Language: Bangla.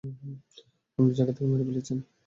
আপনি তাকে মেরে ফেলেছেন।